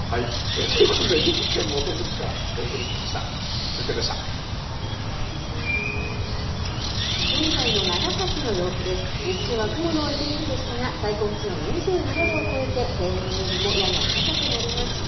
ということで、岐阜県本巣市からお送りしました。